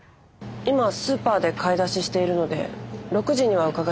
今スーパーで買い出ししているので６時には伺います。